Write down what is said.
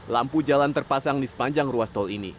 lampu jalan terpasang di sepanjang ruas tol ini